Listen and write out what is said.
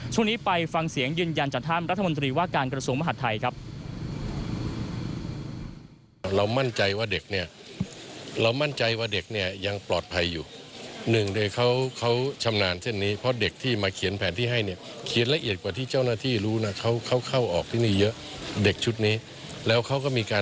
ช่วงนี้ไปฟังเสียงยืนยันจากท่านรัฐมนตรีว่าการกระทรวงมหาดไทยครับ